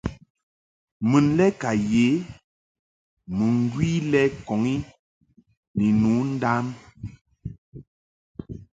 Mun lɛ ka yə mɨŋgwi lɛ ŋkɔŋ i ni nu ndam.